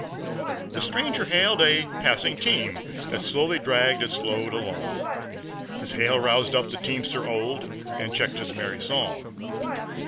The stranger hailed a passing team That slowly dragged its load along; His hail roused up the teamster old, And checked his merry song.